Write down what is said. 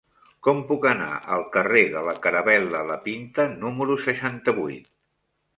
Com puc anar al carrer de la Caravel·la La Pinta número seixanta-vuit?